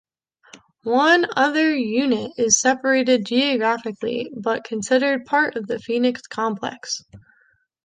One other unit is separated geographically but considered part of the Phoenix Complex.